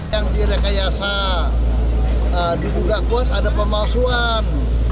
yang direkayasa di bunga kuat ada pemalsuan